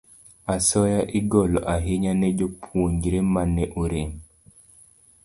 Asoya igolo ahinya ne jopuonjre ma ne orem.